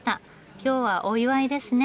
今日はお祝いですね。